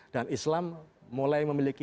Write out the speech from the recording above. dan islam mulai memiliki